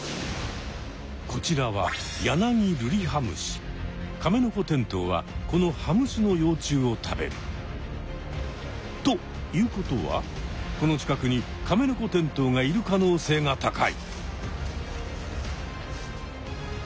こちらはカメノコテントウはこのハムシの幼虫を食べる。ということはこの近くにカメノコテントウがいる可能性が高い！